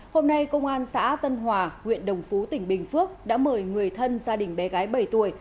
hôm nay công an xã tân hòa huyện đồng phú tỉnh bình phước đã mời người thân gia đình bé gái bảy tuổi